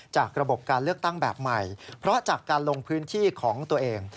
จากระบบการเลือกตั้งแบบใหม่เพราะจากการลงพื้นที่ของตัวเอง